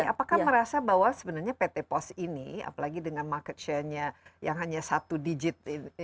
apakah merasa bahwa sebenarnya pt pos ini apalagi dengan market share nya yang hanya satu digit